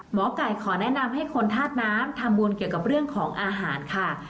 หมอไก่ขอแนะนำให้คนธาตุน้ำทำบุญเกี่ยวกับเรื่องของอาหารค่ะ